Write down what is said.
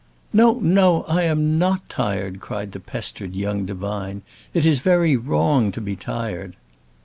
"No, no, I am not tired!" cried the pestered young divine. "It is very wrong to be tired."